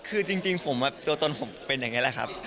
คือจริงผมตัวตนผมเป็นอย่างนี้แหละครับ